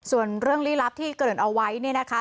ส่วนเรื่องลี้ลับที่เกริ่นเอาไว้เนี่ยนะคะ